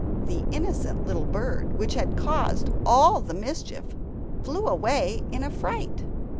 The innocent little bird which had caused all the mischief, flew away in a fright!